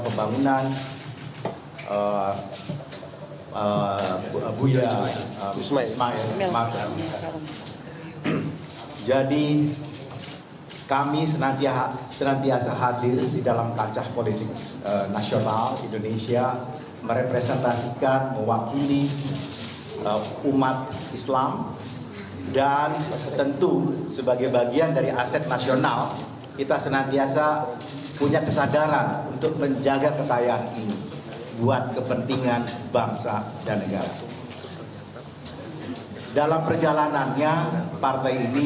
kepada pemerintah saya ingin mengucapkan terima kasih kepada pemerintah pemerintah yang telah menonton